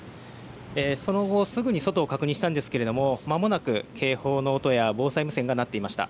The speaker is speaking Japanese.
その後、すぐに外を確認したんですけれどもまもなく警報の音や防災無線が鳴っていました。